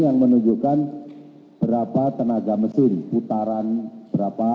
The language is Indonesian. yang menunjukkan berapa tenaga mesin putaran berapa